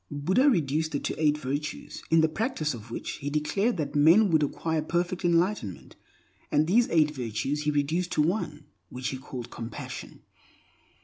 Buddha reduced it to eight virtues, in the practice of which he declared that men would acquire perfect enlightenment. And these eight virtues he reduced to one, which he called compassion.